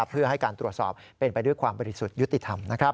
เพื่อให้การตรวจสอบเป็นไปด้วยความบริสุทธิ์ยุติธรรม